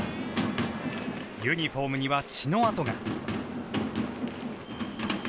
ユニホームには血の痕が。